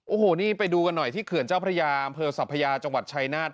โอ้โหนี่ไปดูกันหน่อยที่เขื่อนเจ้าพระยาอำเภอสัพยาจังหวัดชายนาฏ